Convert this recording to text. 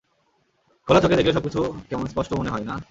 খোলা চোখে দেখলে সবকিছু কেমন স্পষ্ট মনে হয়, না?